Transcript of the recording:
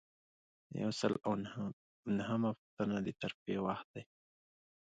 یو سل او نهمه پوښتنه د ترفیع وخت دی.